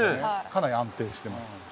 かなり安定してます。